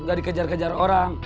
gak dikejar kejar orang